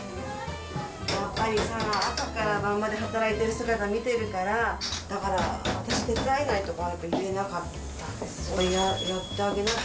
やっぱりさ、朝から晩まで働いてる姿見てるから、だから、私手伝えないとかは言えなかったです。